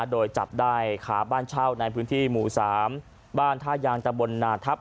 โดยจับได้ขาบ้านเช่าในพื้นที่หมู่๓บ้านท่ายางตะบนนาทัพ